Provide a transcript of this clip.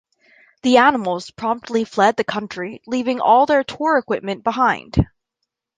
The Animals promptly fled the country, leaving all their tour equipment behind.